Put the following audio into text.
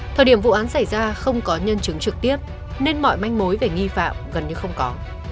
thời điểm vụ án xảy ra không có nhân chứng trực tiếp nên mọi manh mối về nghi phạm gần như không có